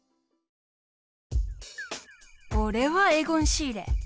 おれはエゴン・シーレ。